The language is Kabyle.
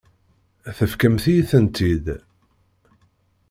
Tefkamt-iyi-tent-id.